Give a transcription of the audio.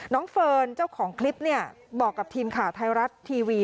น้องเฟิร์นเจ้าของคลิปบอกกับทีมขาวไทยรัฐทีวี